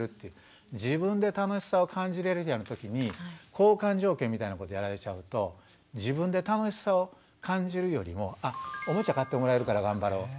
自分で楽しさを感じれる時に交換条件みたいなことやられちゃうと自分で楽しさを感じるよりもおもちゃ買ってもらえるから頑張ろうとかね